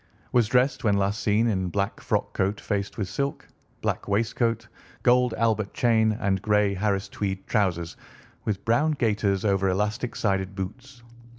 Was dressed, when last seen, in black frock coat faced with silk, black waistcoat, gold Albert chain, and grey Harris tweed trousers, with brown gaiters over elastic sided boots.